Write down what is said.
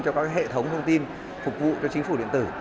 cho các hệ thống thông tin phục vụ cho chính phủ điện tử